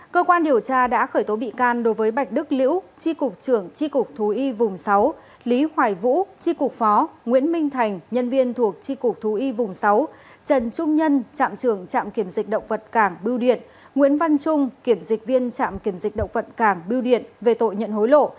cơ quan điều tra đã khởi tố bị can đối với bạch đức liễu tri cục trưởng tri cục thú y vùng sáu lý hoài vũ tri cục phó nguyễn minh thành nhân viên thuộc tri cục thú y vùng sáu trần trung nhân trạm trưởng trạm kiểm dịch động vật cảng bưu điện nguyễn văn trung kiểm dịch viên trạm kiểm dịch động vật cảng bưu điện về tội nhận hối lộ